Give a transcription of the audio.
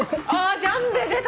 ジャンベ出た！